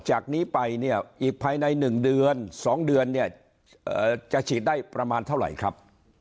จากนี้ไปเนี่ยอีกภายใน๑เดือน๒เดือนเนี่ยจะฉีดได้ประมาณเท่าไหร่ครับ